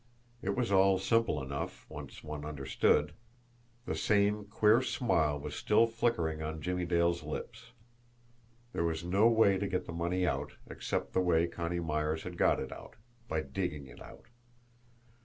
It was all simple enough once one understood! The same queer smile was still flickering on Jimmie Dale's lips. There was no way to get the money out, except the way Connie Myers had got it out by digging it out!